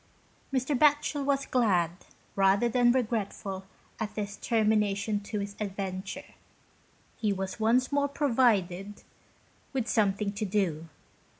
Mr. Batchel was glad, rather than regretful at this termination to his adventure. He was once more provided with something to do.